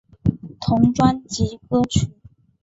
同专辑歌曲。